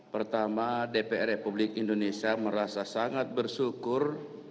pertama dpr republik indonesia merasa sangat bersyukur